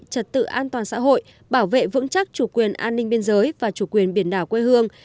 trật tự an toàn xã hội bảo vệ vững chắc chủ quyền an ninh biên giới và chủ quyền biển đảo quê hương